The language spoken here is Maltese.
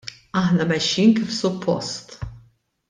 Aħna mexjin kif suppost.